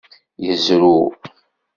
Yezrew.